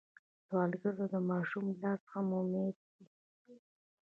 سوالګر ته د ماشوم لاس هم امید وي